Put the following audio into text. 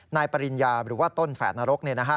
นายปริญญาหรือว่าต้นแฝดนรกเนี่ยนะฮะ